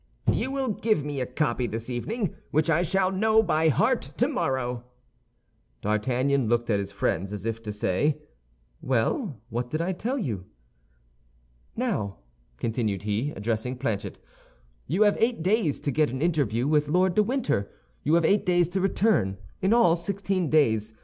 "You will give me a copy this evening, which I shall know by heart tomorrow." D'Artagnan looked at his friends, as if to say, "Well, what did I tell you?" "Now," continued he, addressing Planchet, "you have eight days to get an interview with Lord de Winter; you have eight days to return—in all sixteen days.